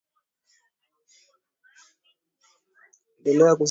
ndelea kusisitiza kuwa vitisho vya mabomu vilivyo jitokeza katika wiki hii